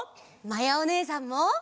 まやおねえさんも。